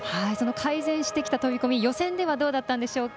改善してきた飛び込み予選ではどうだったんでしょうか。